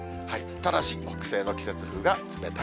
ただし、北西の季節風が冷たい。